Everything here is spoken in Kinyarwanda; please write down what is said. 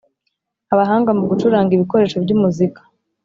abahanga mu gucuranga ibikoresho by umuzika